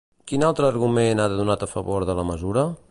Quin altre argument ha donat a favor de la mesura?